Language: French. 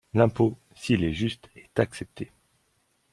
L’impôt, s’il est juste, est accepté.